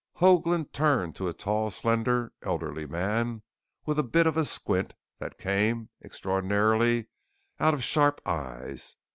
Hoagland turned to a tall, slender, elderly man with a bit of a squint that came, extraordinarily, out of sharp eyes.